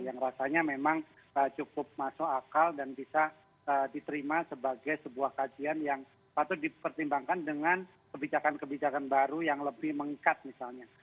yang rasanya memang cukup masuk akal dan bisa diterima sebagai sebuah kajian yang patut dipertimbangkan dengan kebijakan kebijakan baru yang lebih mengikat misalnya